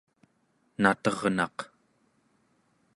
naternaq